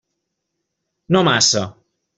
No massa.